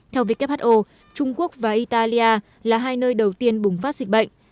theo who trung quốc và italia là hai nơi đầu tiên bùng phát dịch bệnh